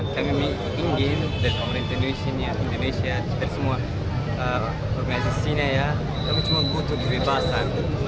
kami ingin untuk indonesia dan semua organisasi sini ya kami cuma butuh kebebasan